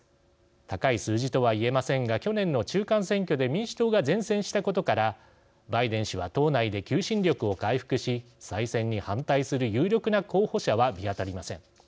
高い数字とは言えませんが去年の中間選挙で民主党が善戦したことからバイデン氏は党内で求心力を回復し再選に反対する有力な候補者は見当たりません。